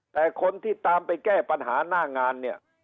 แต่คนที่ตามไปแก้ปัญหาน่างาน